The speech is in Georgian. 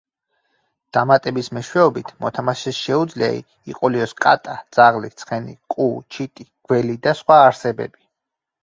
დამატების მეშვეობით, მოთამაშეს შეუძლია იყოლიოს კატა, ძაღლი, ცხენი, კუ, ჩიტი, გველი და სხვა არსებები.